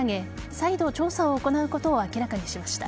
再度調査を行うことを明らかにしました。